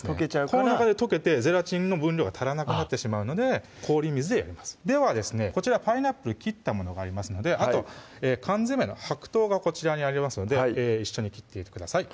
この中で溶けてゼラチンの分量が足らなくなってしまうので氷水でやりますではですねこちらパイナップル切ったものがありますのであと缶詰の白桃がこちらにありますので一緒に切っていってください